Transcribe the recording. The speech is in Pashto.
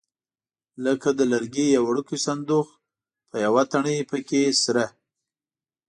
لکه د لرګي یو وړوکی صندوق په یوه تڼۍ پکې سره.